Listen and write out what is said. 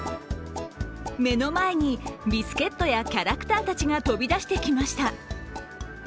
目の前に、ビスケットやキャラクターたちが飛び出してきました。